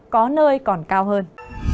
có nơi còn cao hơn